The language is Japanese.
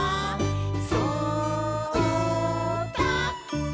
「そうだ」